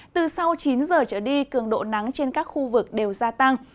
từ sau chín giờ trở đi cường độ nắng trên các khu vực đều gia tăng